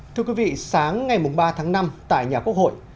thưa quý vị sáng ngày ba tháng năm tại nhà quốc hội